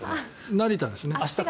成田ですね。